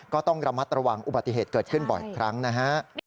ก็ต้องระมัดระวังอุบัติเหตุเกิดขึ้นบ่อยครั้งนะฮะ